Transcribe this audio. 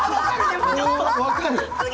分かる？